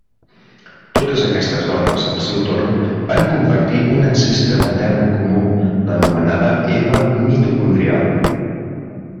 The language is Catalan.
Totes aquestes dones, al seu torn, van compartir un ancestre matern comú, l'anomenada Eva mitocondrial.